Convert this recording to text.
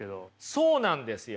そうなんですよ。